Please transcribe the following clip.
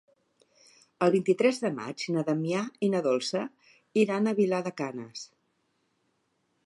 El vint-i-tres de maig na Damià i na Dolça iran a Vilar de Canes.